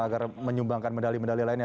agar menyumbangkan medali medali lainnya